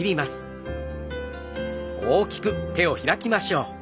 大きく開きましょう。